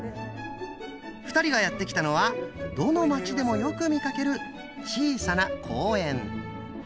２人がやって来たのはどの街でもよく見かける小さな公園。